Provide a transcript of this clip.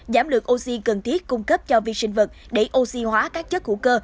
giảm lượng oxy cần thiết cung cấp cho vi sinh vật để oxy hóa các chất hữu cơ